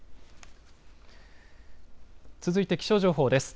続いて気象情報です。